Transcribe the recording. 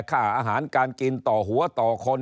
ค่าอาหารการกินต่อหัวต่อคน